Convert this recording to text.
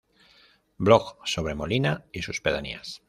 Blog sobre Molina y sus pedanías